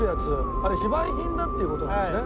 あれ非売品だっていう事なんですね。